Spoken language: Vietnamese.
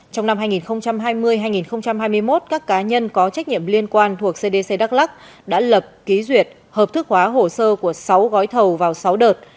trong năm hai nghìn hai mươi hai nghìn hai mươi một các cá nhân có trách nhiệm liên quan thuộc cdc đắk lắc đã lập ký duyệt hợp thức hóa hồ sơ của sáu gói thầu vào sáu đợt